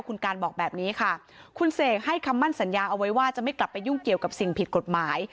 คุณการบอกแบบนี้ค่ะคุณเสกให้คำมั่นสัญญาเอาไว้ว่าจะไม่กลับไปยุ่งเกี่ยวกับสิ่งผิดกฎหมาย